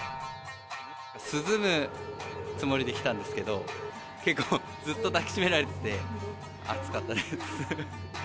涼むつもりで来たんですけど、結構、ずっと抱きしめられてて、暑かったです。